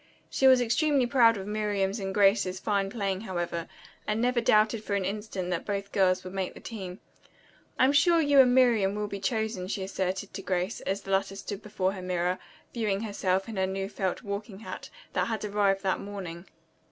She was extremely proud of Miriam's and Grace's fine playing, however, and never doubted for an instant that both girls would make the team. "I'm sure you and Miriam will be chosen," she asserted to Grace, as the latter stood before her mirror, viewing herself in her new felt walking hat, that had arrived that morning.